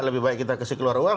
lebih baik kita kasih keluar uang